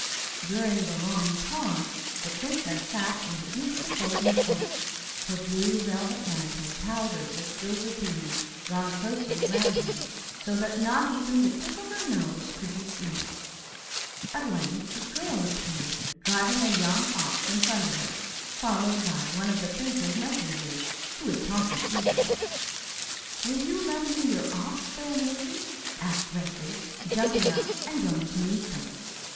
[Illustration: 'WILL YOU LEND ME YOUR OX, FAIR MAIDEN?'] During the long pause the princess sat in the beautiful golden coach, her blue velvet mantle powdered with silver bees drawn closely round her, so that not even the tip of her nose could be seen. At length a girl appeared driving a young ox in front of her, followed by one of the prince's messengers, who was talking eagerly. 'Will you lend me your ox, fair maiden?' asked Grethari, jumping up and going to meet them.